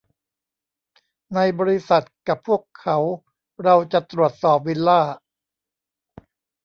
ใน บริษัท กับพวกเขาเราจะตรวจสอบวิลล่า